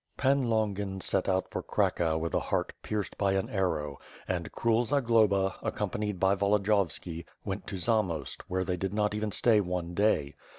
Pan Longin set out for Cracow with a heart pierced by an arrow, and cruel Zagloba, accompanied by Volodiyovski, went to Zamost, where they did not even stay one day.